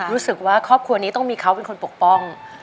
รู้สึกว่าครอบครัวนี้ต้องมีเขาเป็นคนปกป้อง